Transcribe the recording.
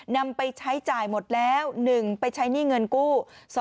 นำไปใช้จ่ายหมดแล้ว๑ไปใช้หนี้เงินกู้